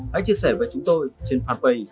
hãy chia sẻ với chúng tôi trên fanpage